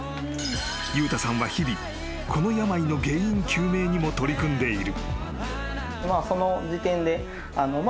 ［裕太さんは日々この病の原因究明にも取り組んでいる］